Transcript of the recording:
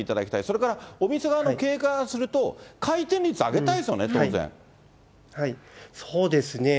それからお店側の経営からすると、回転率上げたいですよね、そうですね。